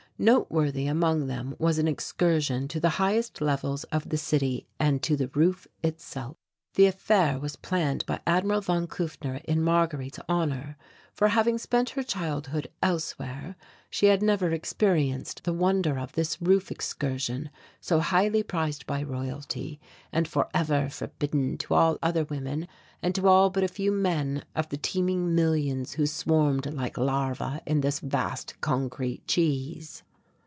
Noteworthy among them was an excursion to the highest levels of the city and to the roof itself. The affair was planned by Admiral von Kufner in Marguerite's honour; for, having spent her childhood elsewhere, she had never experienced the wonder of this roof excursion so highly prized by Royalty, and for ever forbidden to all other women and to all but a few men of the teeming millions who swarmed like larvae in this vast concrete cheese.